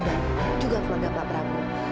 dan juga keluarga pak prabu